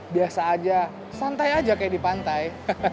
biasa aja santai aja kayak di pantai